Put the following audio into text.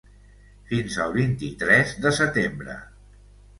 Fins al vint-i-tres de setembre.